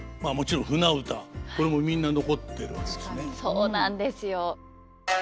そうなんですよ。